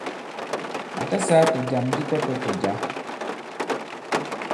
À ta sāā tɔ̀jam dipɛpɛ tɔ̀ jǎ.